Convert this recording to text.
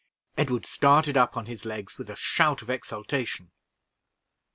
Edward started up on his legs with a shout of exultation.